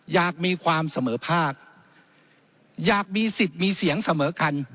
อยากมีความเสมอภาคอยากมีสิทธิ์มีเสียงเสมอกัน